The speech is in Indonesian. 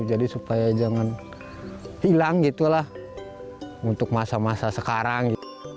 jadi supaya jangan hilang gitu lah untuk masa masa sekarang